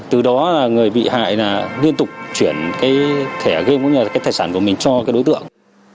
từ đó người bị hại liên tục chuyển cái thẻ game cũng như là cái tài sản của mình cho cái đối tượng